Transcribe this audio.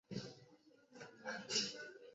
棉花竹为禾本科箭竹属下的一个种。